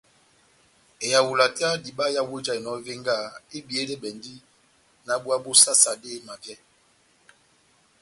Ehawula tɛ́h ya diba yawu ejahinɔ evengaha ebiyedɛbɛndi náh búwa bó sasade emavyɛ.